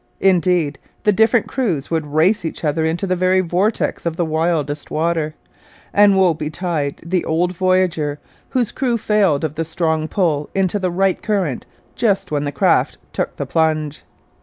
Indeed, the different crews would race each other into the very vortex of the wildest water; and woe betide the old voyageur whose crew failed of the strong pull into the right current just when the craft took the plunge!